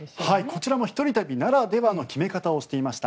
こちらも一人旅ならではの決め方をしていました。